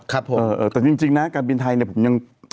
แต่จริงนะการบินไทย